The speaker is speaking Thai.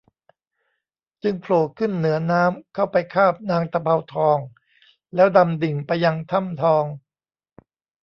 จึงโผล่ขึ้นเหนือน้ำเข้าไปคาบนางตะเภาทองแล้วดำดิ่งไปยังถ้ำทอง